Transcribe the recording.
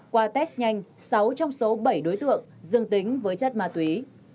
qua test nhanh sáu trong số bảy đối tượng dương tính với chất ma túy